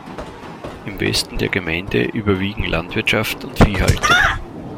Im Westen der Gemeinde überwiegen Landwirtschaft und Viehhaltung.